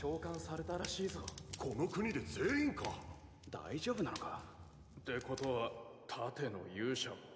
大丈夫なのか？ってことは盾の勇者も。